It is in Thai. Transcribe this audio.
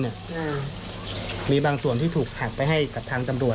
สนบันดาลมีบางส่วนที่ถูกหากไปให้จากทางจังหลวง